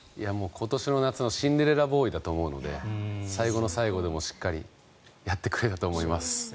今年の夏はシンデレラボーイだと思うので最後の最後までしっかりやってくれたと思います。